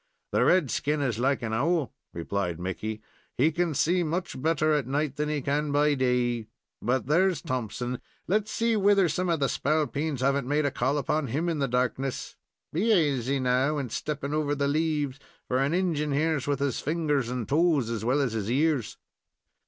"The red skin is like an owl," replied Mickey. "He can see much better at night than he can by day; but there's Thompson; let us see whether some of the spalpeens haven't made a call upon him in the darkness. Be aisy now, in stepping over the leaves, for an Injin hears with his fingers and toes as well as his ears."